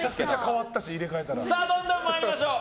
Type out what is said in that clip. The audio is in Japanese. どんどん参りましょう。